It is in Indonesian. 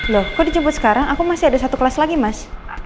loh kok dijemput sekarang aku masih ada satu kelas lagi mas